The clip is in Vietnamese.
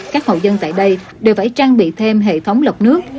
các hộ dân tại đây đều phải trang bị thêm hệ thống lọc nước